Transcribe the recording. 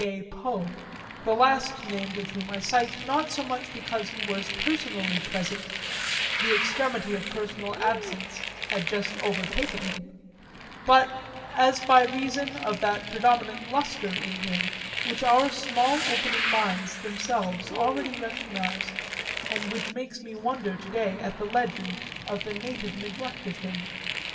A. Poe the last named of whom I cite not so much because he was personally present (the extremity of personal absence had just overtaken him) as by reason of that predominant lustre in him which our small opening minds themselves already recognised and which makes me wonder to day at the legend of the native neglect of him.